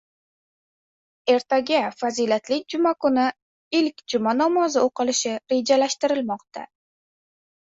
Ertaga fazilatli juma kuni ilk juma namozi o‘qilishi rejalashtirilmoqda.